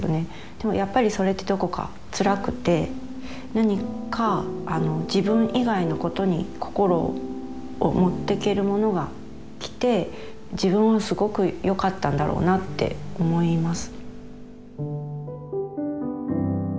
でもやっぱりそれってどこかつらくて何か自分以外のことに心を持ってけるものが来て自分もすごくよかったんだろうなって思います。